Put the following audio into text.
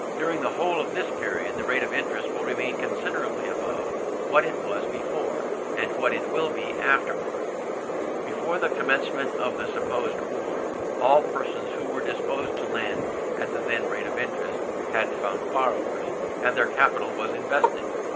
During the whole of this period, the rate of interest will remain considerably above what it was before, and what it will be afterwards. Before the commencement of the supposed war, all persons who were disposed to lend at the then rate of interest, had found borrowers, and their capital was invested.